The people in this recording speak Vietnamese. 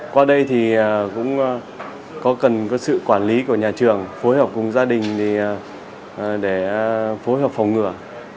qua đây thì cũng có cần sự quản lý của nhà trường phối hợp cùng gia đình để phối hợp phòng ngừa